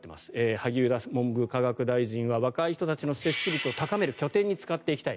萩生田文部科学大臣は若い人たちの接種率を高める拠点に使っていきたい。